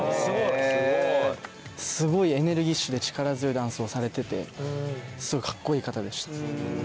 すごいエネルギッシュで力強いダンスをされててすごいカッコいい方でした。